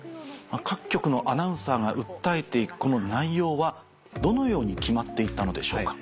各局のアナウンサーが訴えて行くこの内容はどのように決まって行ったのでしょうか？